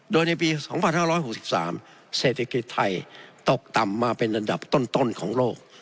โดยในปี๒๕๖๓เศรษฐกิจไทยตกต่ำมาเป็นอันดับต้นของโลก